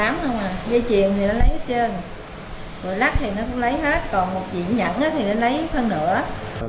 lấy hết trơn rồi lắc thì nó không lấy hết còn một dĩ nhẫn thì nó lấy hơn nữa